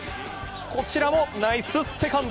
こちらもナイスセカンド！